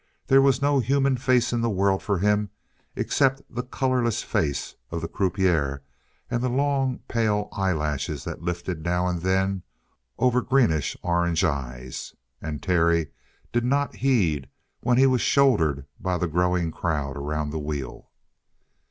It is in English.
There was no human face in the world for him except the colorless face of the croupier, and the long, pale eyelashes that lifted now and then over greenish orange eyes. And Terry did not heed when he was shouldered by the growing crowd around the wheel.